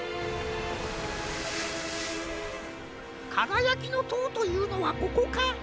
「かがやきのとう」というのはここか？